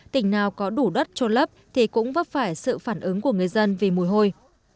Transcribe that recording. tỉnh nào có đủ đất trôn lấp thì cũng vấp phải sự phản ứng của người dân vì mùi hôi